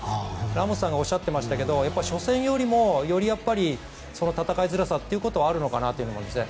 ラモスさんがおっしゃってましたが初戦よりもより戦いづらさというのはあるかと思うんですね。